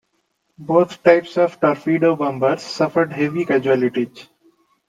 Both types of torpedo bombers suffered heavy casualties.